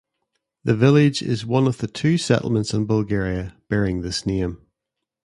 The village is one of the two settlements in Bulgaria bearing this name.